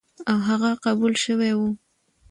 او هغه قبول شوی و،